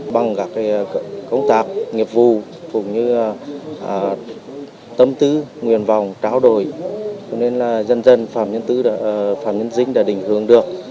bằng các công tác nghiệp vụ tâm tư nguyện vọng tráo đổi cho nên là dân dân phạm nhân nguyễn văn dinh đã đình hướng được